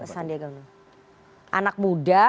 sandi eganu anak muda